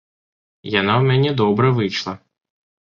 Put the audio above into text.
Яна ў мяне добра выйшла.